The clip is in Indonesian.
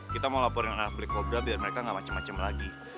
kita mau laporin arah blikobrah biar mereka gak macem macem lagi